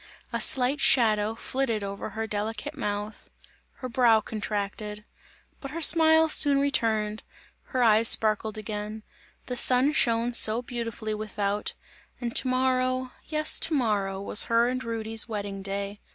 A slight shadow flitted over her delicate mouth, her brow contracted; but her smile soon returned; her eyes sparkled again; the sun shone so beautifully without, and to morrow, yes to morrow was her and Rudy's wedding day.